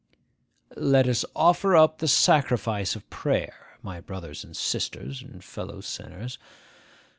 'Let us offer up the sacrifice of prayer, my brothers and sisters and fellow sinners.